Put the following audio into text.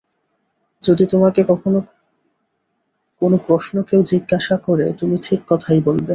যদি তোমাকে কখনো কোনো প্রশ্ন কেউ জিজ্ঞাসা করে তুমি ঠিক কথাই বলবে।